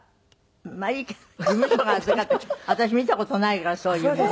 私見た事ないからそういうの。